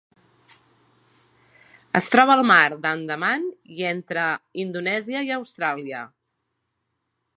Es troba al Mar d'Andaman i entre Indonèsia i Austràlia.